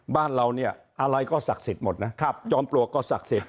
บ้านเราเนี่ยอะไรก็ศักดิ์สิทธิ์หมดนะจอมปลวกก็ศักดิ์สิทธิ